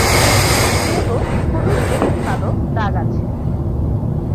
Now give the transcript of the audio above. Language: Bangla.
দেহ হলুদ এবং কালো দাগ আছে।